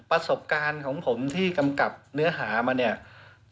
ประสบการณ์ของผมที่กำกับเนื้อหามาเนี่ย